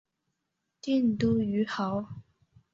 定都于亳。